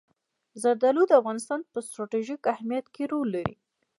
زردالو د افغانستان په ستراتیژیک اهمیت کې رول لري.